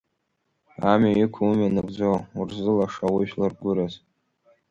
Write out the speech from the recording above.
Амҩа иқәу, умҩа нагӡо, урзылаша ужәлар гәыраз!